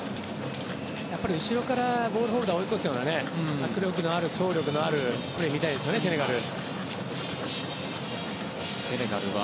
やっぱり後ろからボールホルダーを追い越すような迫力のある、走力のあるプレーを見たいですねセネガルは。